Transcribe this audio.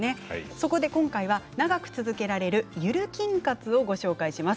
そこで今回は長く続けられるゆる筋活をご紹介します。